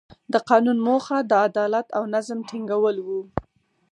د قانون موخه د عدالت او نظم ټینګول وو.